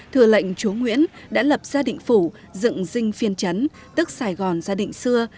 thừa lệnh chúa nguyễn đã lập gia định phủ dựng dinh phiên chấn tức sài gòn gia định xưa